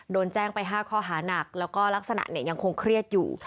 โดนแจ้งไป๕ข้อหานักแล้วก็ลักษณะเนี่ยยังคงเครียดอยู่